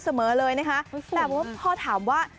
เสมอเลยนะคะแต่ว่าพอถามว่า